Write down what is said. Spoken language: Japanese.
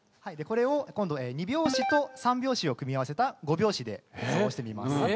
これを今度２拍子と３拍子を組み合わせた５拍子で演奏してみます。